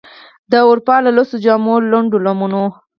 د اروپا له لوڅو جامو، لنډو لمنو،